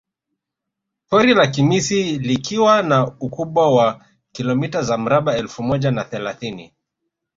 Pori la Kimisi likiwa na ukubwa wa kilomita za mraba elfu moja na thelathini